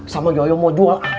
sama yoyo mau jual anak